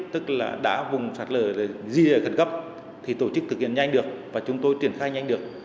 tức là đã vùng sạc lỡ diệt khẩn cấp thì tổ chức thực hiện nhanh được và chúng tôi triển khai nhanh được